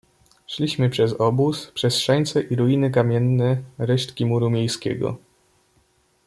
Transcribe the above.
"Szliśmy przez obóz, przez szańce i ruiny kamienne, resztki muru miejskiego."